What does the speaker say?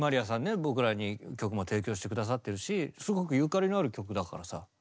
僕らに曲も提供して下さってるしすごくゆかりのある曲だからさ。